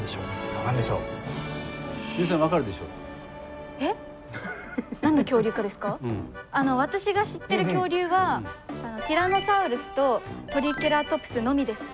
あの私が知ってる恐竜はティラノサウルスとトリケラトプスのみです。